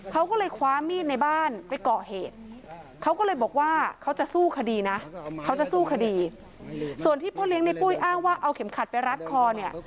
เขาก็เลยคว้ามีดในบ้านไปก่อเหตุเขาก็เลยบอกว่าเขาจะสู้คดีนะเขาจะสู้คดีส่วนที่พ่อเลี้ยงในปุ้ยอ้างว่าเอาเข็มขัดไปรัดคอเนี่ย